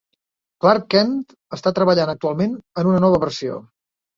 Klark Kent està treballant actualment en una nova versió.